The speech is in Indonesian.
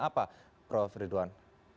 apa pak firdwan